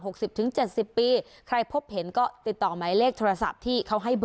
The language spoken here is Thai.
สิบถึงเจ็ดสิบปีใครพบเห็นก็ติดต่อหมายเลขโทรศัพท์ที่เขาให้เบอร์